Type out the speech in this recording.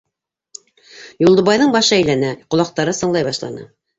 Юлдыбайҙың башы әйләнә, ҡолаҡтары сыңлай башланы.